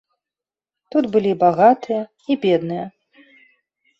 Тут былі і багатыя, і бедныя.